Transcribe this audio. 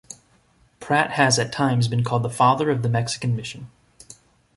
Pratt has at times been called the father of the Mexican mission.